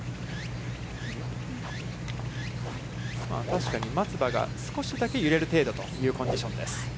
確かに松葉が少しだけ揺れる程度というコンディションです。